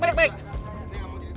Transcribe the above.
balik balik dulu